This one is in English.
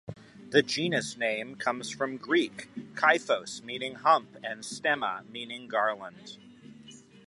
The genus name comes from Greek "kyphos", meaning "hump", and "stemma", meaning "garland".